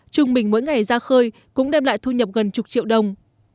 trung bình mỗi ngày ra khơi cũng đem lại thu nhập gần chục triệu đồng